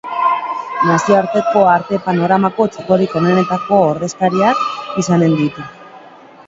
Nazioarteko arte-panoramako txokorik onenetako ordezkariak izanen ditu.